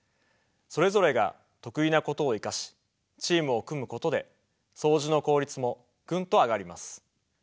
それぞれが得意なことを生かしチームを組むことでそうじの効率もぐんと上がります。